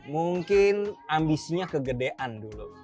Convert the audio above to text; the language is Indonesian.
mungkin ambisinya kegedean dulu